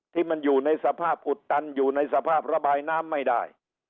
ที่มันอยู่ในสภาพอุดตันอยู่ในสภาพระบายน้ำไม่ได้